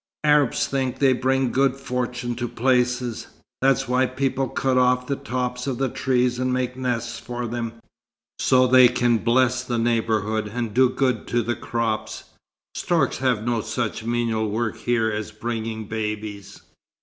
"Arabs think they bring good fortune to places. That's why people cut off the tops of the trees and make nests for them, so they can bless the neighbourhood and do good to the crops. Storks have no such menial work here as bringing babies.